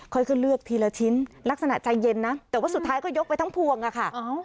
ค่อยขึ้นเลือกทีละชิ้นลักษณะใจเย็นนะแต่ว่าสุดท้ายก็ยกไปทั้งพวงอะค่ะ